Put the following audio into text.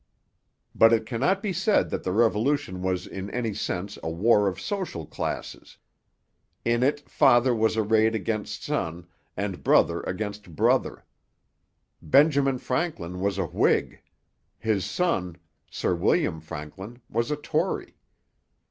But it cannot be said that the Revolution was in any sense a war of social classes. In it father was arrayed against son and brother against brother. Benjamin Franklin was a Whig; his son, Sir William Franklin, was a Tory.